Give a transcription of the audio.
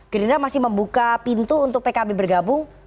gerindra masih membuka pintu untuk pkb bergabung